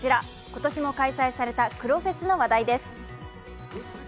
今年も開催された黒フェスの話題です。